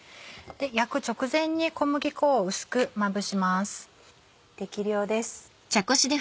焼く直前に小麦粉を薄くまぶします。